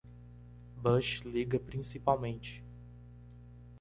Bush liga principalmente.